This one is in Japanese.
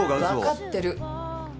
分かってる。